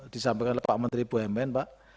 disampaikan oleh pak menteri bu mn pak